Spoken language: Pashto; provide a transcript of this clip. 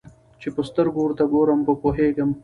چي په سترګو ورته ګورم په پوهېږم